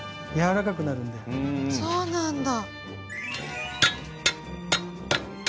そうなんだ！